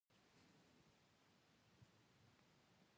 مزارشریف د افغان تاریخ په ټولو کتابونو کې ذکر شوی دی.